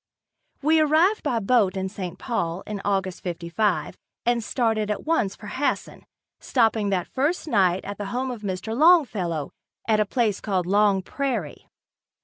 We arrived by boat in St. Paul in August '55 and started at once for Hasson, stopping that first night at the home of Mr. Longfellow, at a place called Long Prairie.